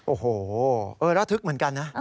โอ้โหระทึกเหมือนกันนะ